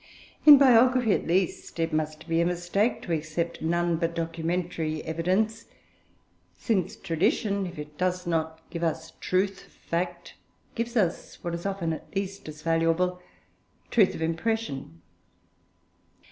In biography, at least, it must be a mistake to accept none but documentary evidence, since tradition, if it does not give us truth of fact, gives us what is often at least as valuable, truth of impression.